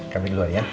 kami duluan ya